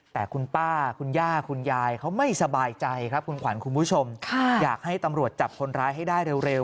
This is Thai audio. แต่คุณป้าคุณย่าคุณยายเขาไม่สบายใจครับคุณขวัญคุณผู้ชมอยากให้ตำรวจจับคนร้ายให้ได้เร็ว